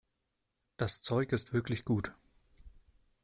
Das Zeug ist wirklich gut.